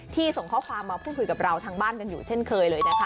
ส่งข้อความมาพูดคุยกับเราทางบ้านกันอยู่เช่นเคยเลยนะคะ